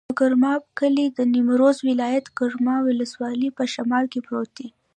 د ګرماب کلی د نیمروز ولایت، ګرماب ولسوالي په شمال کې پروت دی.